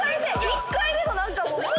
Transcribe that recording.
１回目の何かもう。